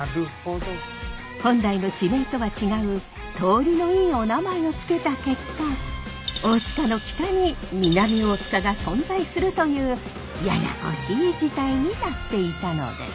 本来の地名とは違う通りのいいおなまえを付けた結果大塚の北に南大塚が存在するというややこしい事態になっていたのです。